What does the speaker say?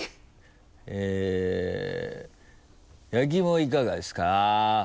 えっ焼き芋いかがですか？